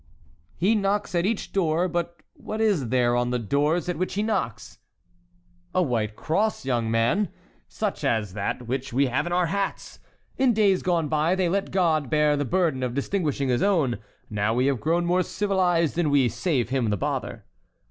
"He knocks at each door; but what is there on the doors at which he knocks?" "A white cross, young man, such as that which we have in our hats. In days gone by they let God bear the burden of distinguishing his own; now we have grown more civilized and we save him the bother."